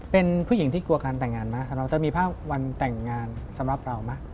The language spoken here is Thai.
เป็นผู้หญิงที่กลัวการแต่งงานไหมเราจะมีภาพวันแต่งงานสำหรับเราไหม